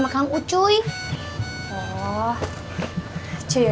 sudah kan udah situ udah